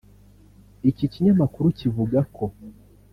Iki kinyamakuru kivuga ko